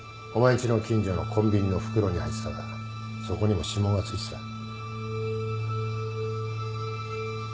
お前んちの近所のコンビニの袋に入ってたがそこにも指紋がついてた。